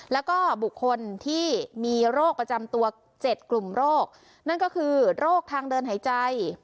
แล้วก็บุคคลที่มีโรคประจำตัว๗กลุ่มโรคนั่นก็คือโรคทางเดินหายใจ